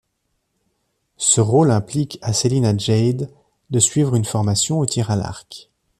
Ce rôle implique à Celina Jade de suivre une formation au tir à l'arc.